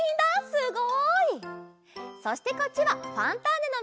すごい！そしてこっちは「ファンターネ！」のみんなだよ。